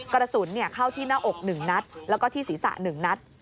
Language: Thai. กระสุนเข้าที่หน้าอก๑นัดแล้วก็ที่ศีรษะ๑นัด